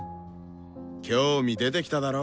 興味出てきただろ？